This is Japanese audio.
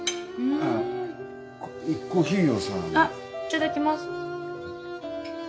あっいただきます。